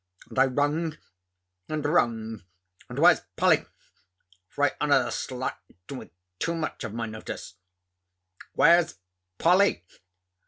And I rung and rung, and "Where's Polly?" (for I honour the slut with too much of my notice), "Where's Polly?"